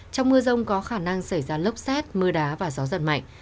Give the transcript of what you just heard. trong mưa rông có khả năng xảy ra lốc xét mưa đá và gió giật mạnh